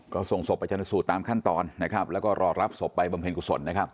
ก็ส่งศพไปชนสูตรตามขั้นตอนนะครับแล้วก็รอรับศพไปบำเพ็ญกุศลนะครับ